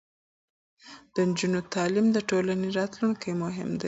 د نجونو تعلیم د ټولنې راتلونکي لپاره مهم دی.